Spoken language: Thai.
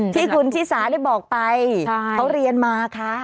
ที่คุณชิสาได้บอกไปเขาเรียนมาคะ